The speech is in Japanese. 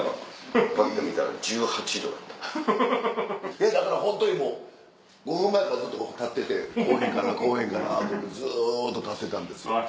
いやだからホントにもう５分前からずっとここに立ってて来ぉへんかな来ぉへんかなってずっと立ってたんですよ。